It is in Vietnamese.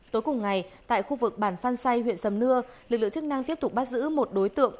tối cùng ngày tại khu vực bản phan say huyện sầm nưa lực lượng chức năng tiếp tục bắt giữ một đối tượng